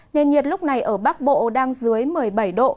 nền nhiệt lúc này ở bắc bộ đang dưới một mươi bảy độ